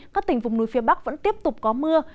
các tỉnh vùng núi phía bắc vẫn tiếp tục có mưa